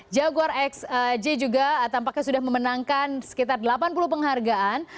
jaguar xj juga tampaknya sudah memenangkan sekitar delapan puluh penghargaan